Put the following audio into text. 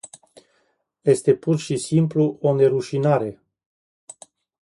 Este pur și simplu o nerușinare...